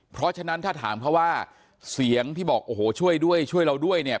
เพราะฉะนั้นถ้าถามเขาว่าเสียงที่บอกโอ้โหช่วยด้วยช่วยเราด้วยเนี่ย